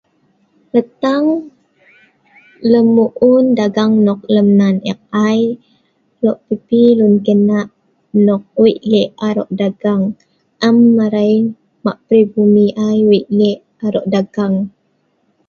Tentang lem mu'un dagang nok nan eek ai, loe' pi pi luen kina' nok wei le' aro dagang. Am arai mak peribumi ai wei le' aro' dagang.